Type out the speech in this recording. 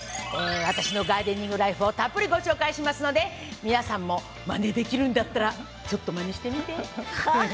私のガーデニングライフをたっぷりご紹介しますので皆さんもまねできるんだったらちょっとまねしてみて。